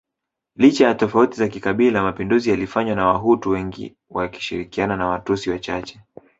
licha ya tofauti za kikabila mapinduzi yalifanywa na Wahutu wengi wakishirikiana na Watutsi wachache